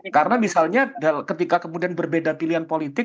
karena misalnya ketika kemudian berbeda pilihan politik